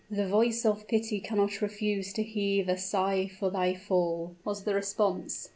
"The voice of pity cannot refuse to heave a sigh for thy fall," was the response.